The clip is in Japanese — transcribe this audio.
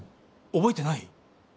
覚えてない？